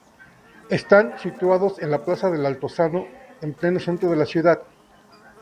Están situados en la plaza del Altozano, en pleno Centro de la ciudad.